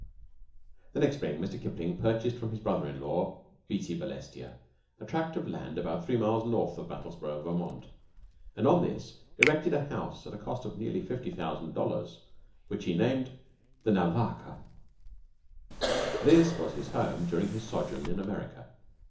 The next spring Mr. Kipling purchased from his brother in law, Beatty Balestier, a tract of land about three miles north of Brattleboro', Vt., and on this erected a house at a cost of nearly $50,000, which he named "The Naulahka." This was his home during his sojourn in America.